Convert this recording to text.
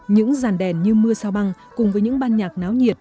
những dàn đèn như mưa sao băng cùng với những ban nhạc náo nhiệt